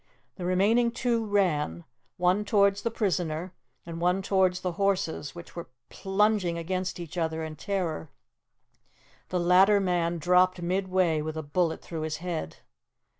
The remaining two ran, one towards the prisoner, and one towards the horses which were plunging against each other in terror; the latter man dropped midway, with a bullet through his head.